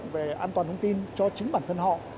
về an toàn thông tin cho chính bản thân họ